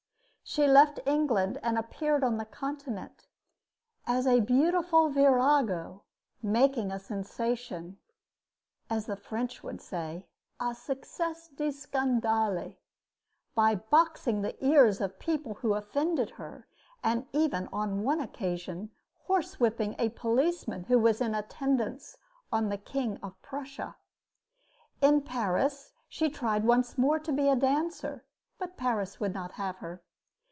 She left England and appeared upon the Continent as a beautiful virago, making a sensation as the French would say, a succes de scandale by boxing the ears of people who offended her, and even on one occasion horsewhipping a policeman who was in attendance on the King of Prussia. In Paris she tried once more to be a dancer, but Paris would not have her.